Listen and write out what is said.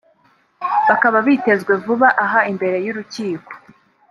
bakaba bitezwe vuba aha imbere y’urukiko